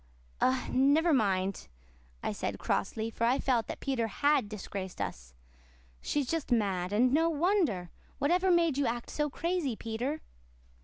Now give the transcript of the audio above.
"Oh, never mind," I said crossly for I felt that Peter HAD disgraced us "She's just mad and no wonder. Whatever made you act so crazy, Peter?"